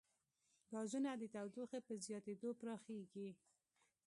ګازونه د تودوخې په زیاتېدو پراخېږي.